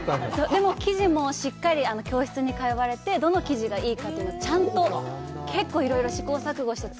でも、生地もしっかり教室に通われて、どの生地がいいかというのを、結構、いろいろ試行錯誤して。